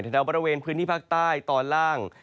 แถวบริเวณพื้นที่ภาคใต้ตอนล่าง